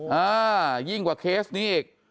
โหอ่ายิ่งกว่าเคสนี้อีก